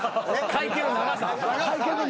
会見の長さ。